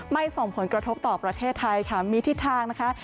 ส่งผลกระทบต่อประเทศไทยค่ะมีทิศทางนะคะ